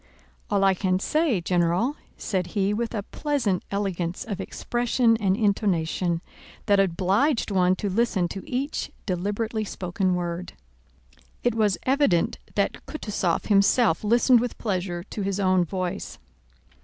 "All I can say, General," said he with a pleasant elegance of expression and intonation that obliged one to listen to each deliberately spoken word. It was evident that Kutúzov himself listened with pleasure to his own voice.